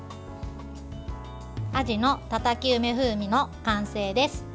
あじのたたき梅風味の完成です。